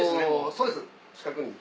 そうです近くに。